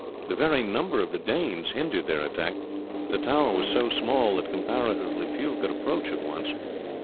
The very number of the Danes hindered their attack, for the tower was so small that comparatively few could approach at once.